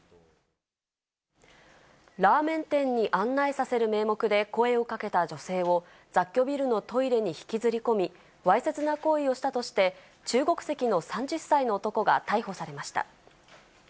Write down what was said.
ラーメン店に案内させる名目で、声をかけた女性を、雑居ビルのトイレに引きずり込み、わいせつな行為をしたとして、中国籍の３０歳の男が逮捕されました。